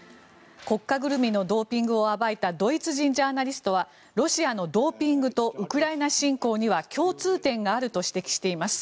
国家ぐるみのドーピングを暴いたドイツ人ジャーナリストはロシアのドーピングとウクライナ侵攻には共通点があると指摘しています。